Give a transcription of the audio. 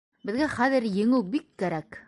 Беҙгә хәҙер еңеү бик кәрәк.